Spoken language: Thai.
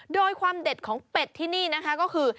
โดยความเด็ดของเป็ดที่นี่นะคะก็คือ